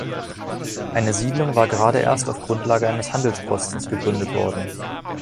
Eine Siedlung war gerade erst auf Grundlage eines Handelspostens gegründet worden.